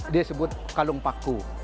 dia sebut kalung paku